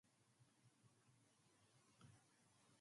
"It was a violent event" she recalls.